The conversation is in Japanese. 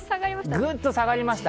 ぐっと下がりました。